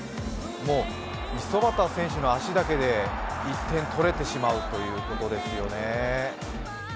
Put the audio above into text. もう五十幡選手の足だけで１点取れてしまうということですよね。